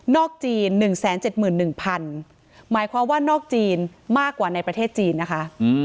จีน๑๗๑๐๐๐หมายความว่านอกจีนมากกว่าในประเทศจีนนะคะ